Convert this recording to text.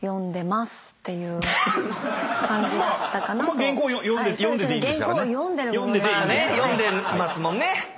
まあね読んでますもんね。